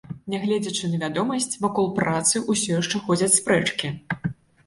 Нягледзячы на вядомасць, вакол працы ўсё яшчэ ходзяць спрэчкі.